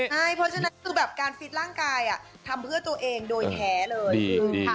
เพราะฉะนั้นการฟิตร่างกายอ่ะทำเพื่อตัวเองโดยแท้เลย